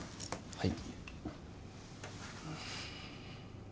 はい？